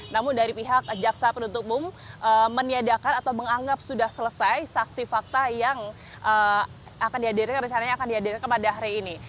namun dari pihak jaksa penuntut umum meniadakan atau menganggap sudah selesai saksi fakta yang akan dihadirkan rencananya akan dihadirkan pada hari ini